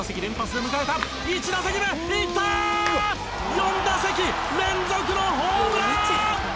４打席連続のホームラン！